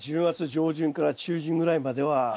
１０月上旬から中旬ぐらいまでは。